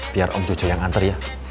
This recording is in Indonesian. biar om jujel yang nganter ya